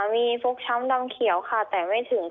มีฟกช้ำดำเขียวค่ะแต่ไม่ถึง